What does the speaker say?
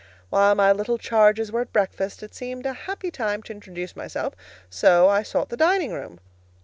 While my little charges were at breakfast, it seemed a happy time to introduce myself; so I sought the dining room.